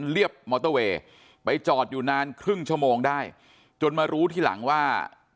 เรียบมอเตอร์เวย์ไปจอดอยู่นานครึ่งชั่วโมงได้จนมารู้ทีหลังว่า